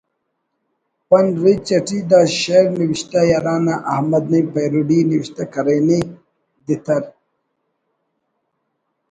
”پن ریچ“ اٹی دا شئیر نوشتہ ءِ ہرانا احمد نعیم پیروڈی ءِ نوشتہ کرینے: دتر